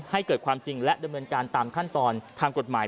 ให้เกิดความจริงและดำเนินการตามขั้นตอนทางกฎหมาย